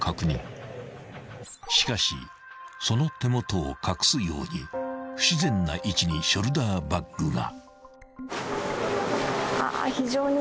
［しかしその手元を隠すように不自然な位置にショルダーバッグが］